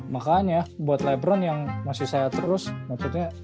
makanya buat lebron yang masih saya terus maksudnya